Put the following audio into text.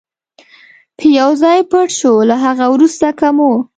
به یو ځای پټ شو، له هغه وروسته که مو.